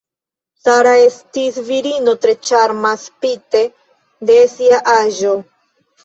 Sara estis virino tre ĉarma spite de sia aĝo.